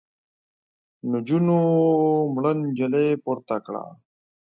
نجونو مړه نجلۍ پورته کړه.